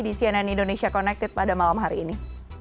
di cnn indonesia connected pada malam hari ini